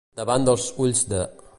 Davant dels ulls de.